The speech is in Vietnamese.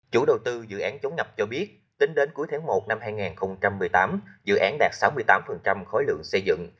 chủ đầu tư dự án chống ngập cho biết tính đến cuối tháng một năm hai nghìn một mươi tám dự án đạt sáu mươi tám khối lượng xây dựng